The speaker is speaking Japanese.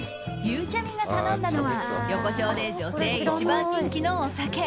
ゆうちゃみが頼んだのは横丁で女性一番人気のお酒。